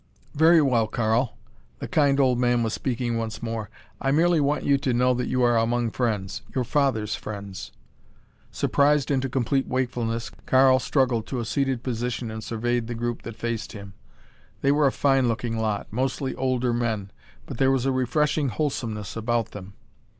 "Very well, Karl." The kind old man was speaking once more. "I merely want you to know that you are among friends your father's friends." Surprised into complete wakefulness, Karl struggled to a seated position and surveyed the group that faced him. They were a fine looking lot, mostly older men, but there was a refreshing wholesomeness about them.